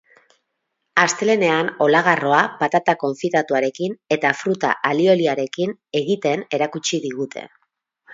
Astelehenean, olagarroa, patata konfitatuarekin eta fruta alioliarekin egiten erakutsi digute.